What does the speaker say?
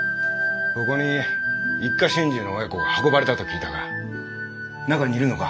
ここに一家心中の親子が運ばれたと聞いたが中にいるのか？